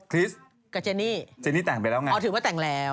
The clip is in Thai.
คริสกับเจนี่เจนี่แต่งไปแล้วไงอ๋อถือว่าแต่งแล้ว